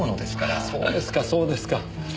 そうですかそうですか。